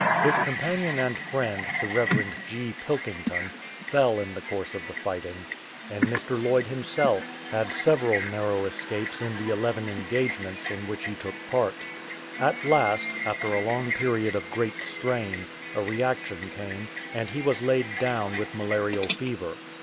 His companion and friend, the Rev. G. Pilkington, fell in the course of the fighting, and Mr. Lloyd himself had several 172 UGANDA TO THE CONGO MOUTH narrow escapes in the eleven engagements in which he took part. At last, after a long period of great strain, a re action came, and he was laid down with malarial fever.